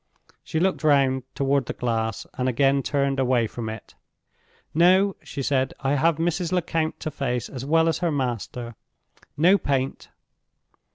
She looked round toward the glass, and again turned away from it. "No!" she said. "I have Mrs. Lecount to face as well as her master. No paint."